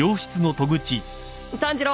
炭治郎！